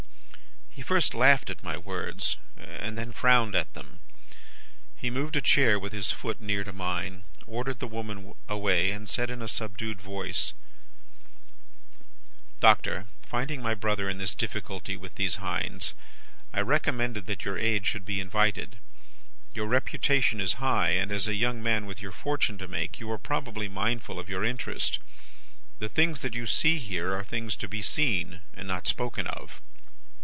"He first laughed at my words, and then frowned at them. He moved a chair with his foot near to mine, ordered the woman away, and said in a subdued voice, "'Doctor, finding my brother in this difficulty with these hinds, I recommended that your aid should be invited. Your reputation is high, and, as a young man with your fortune to make, you are probably mindful of your interest. The things that you see here, are things to be seen, and not spoken of.